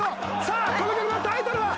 さあこの曲のタイトルは？